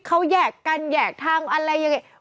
เขาแยกกันแยกทางอะไรยังไง